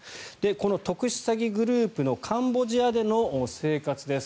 この特殊詐欺グループのカンボジアでの生活です。